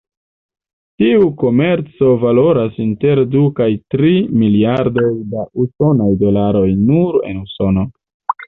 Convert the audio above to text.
Tiu komerco valoras inter du kaj tri miliardoj da usonaj dolaroj nur en Usono.